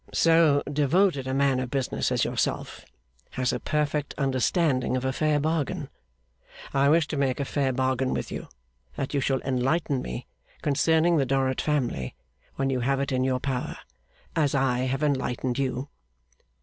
'So devoted a man of business as yourself has a perfect understanding of a fair bargain. I wish to make a fair bargain with you, that you shall enlighten me concerning the Dorrit family when you have it in your power, as I have enlightened you.